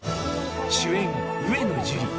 主演上野樹里